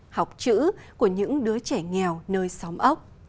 học chữ của những đứa trẻ nghèo nơi xóm ốc